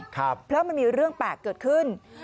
เพราะมันมีเรื่องแปลกเกิดขึ้น